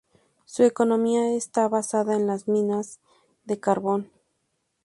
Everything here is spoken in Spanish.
Su economía está basada en las minas de carbón.